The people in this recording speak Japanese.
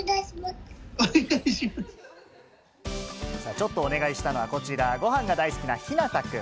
ちょっとお願いしたのはこちら、ご飯が大好きなひなたくん。